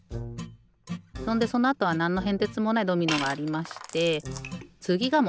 そんでそのあとはなんのへんてつもないドミノがありましてつぎがもんだいですよ。